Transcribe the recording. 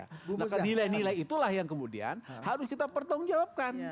nah nilai nilai itulah yang kemudian harus kita pertanggung jawabkan